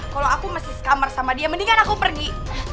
kalau aku mesti sekamar sama dia mendingan aku pergi